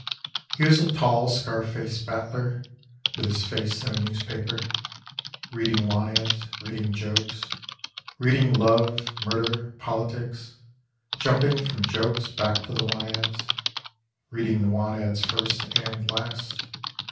He was a tall scar face battler With his face in a newspaper Reading want ads, reading jokes, Reading love, murder, politics. Jumping from jokes back to the want ads, Reading the want ads first and last.